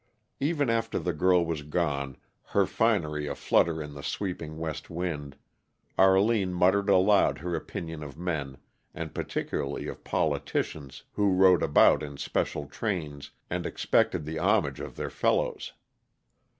Even after the girl was gone, her finery a flutter in the sweeping west wind, Arline muttered aloud her opinion of men, and particularly of politicians who rode about in special trains and expected the homage of their fellows.